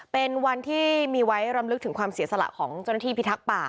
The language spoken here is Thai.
เป็นวันที่มีไว้รำลึกถึงความเสียสละของเจ้าหน้าที่พิทักษ์ป่า